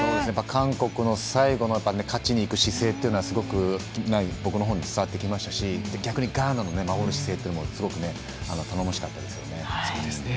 韓国の最後の勝ちにいく姿勢はすごく僕の方に伝わってきましたし逆にガーナの守る姿勢というのもすごく頼もしかったですよね。